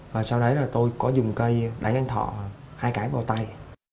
và sau đấy là tôi có dùng cây đánh thọ hai cái vào tay